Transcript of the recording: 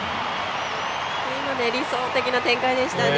理想的な展開でしたね。